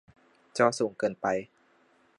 จอสูงเกินไป